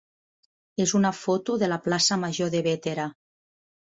és una foto de la plaça major de Bétera.